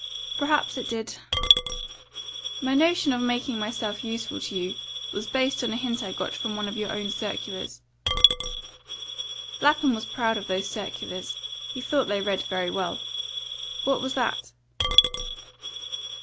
"Perhaps it did." "My notion of making myself useful to you was based on a hint I got from one of your own circulars." Lapham was proud of those circulars; he thought they read very well. "What was that?"